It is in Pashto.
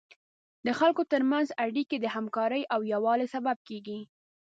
د خلکو تر منځ اړیکې د همکارۍ او یووالي سبب کیږي.